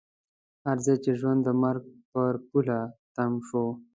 هر ځای چې ژوند د مرګ پر پوله تم شو.